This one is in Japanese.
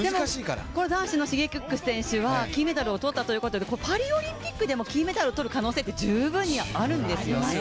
男子のＳｈｉｇｅｋｉｘ選手は金メダルを取ったということでパリオリンピックでも金メダルを取る可能性って十分にあるんですよね。